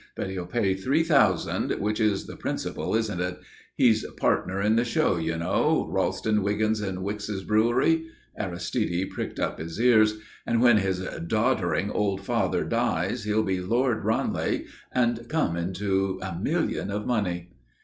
"But he'll pay three thousand, which is the principal, isn't it? He's partner in the show, you know, Ralston, Wiggins, and Wix's Brewery" Aristide pricked up his ears "and when his doddering old father dies he'll be Lord Ranelagh and come into a million of money."